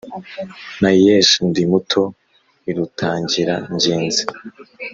nayeshe ndi mutoya i rutangira-ngenzi.